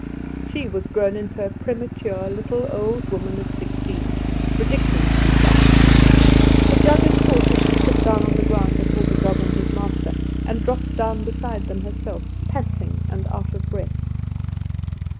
She was grown into a premature little old woman of sixteen, ridiculously fat. The jug and saucer she put down on the ground before the dog and his master and dropped down beside them herself, panting and out of breath.